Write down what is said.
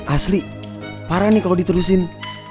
asli parah nih kalau diterusin